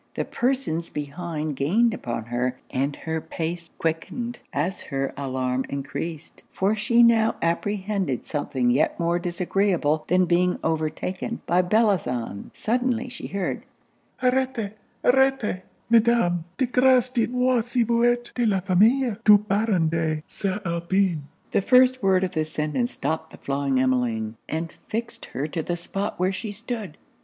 The persons behind gained upon her, and her pace quickened as her alarm encreased; for she now apprehended something yet more disagreeable than being overtaken by Bellozane. Suddenly she heard 'Arretez, arretez, Mesdames! de grace dites moi si vous etes de la famille du Baron de St. Alpin?' The first word of this sentence stopped the flying Emmeline, and fixed her to the spot where she stood.